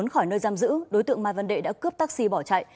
trốn khỏi nơi giam giữ đối tượng mai văn đệ đã cướp taxi bỏ chạy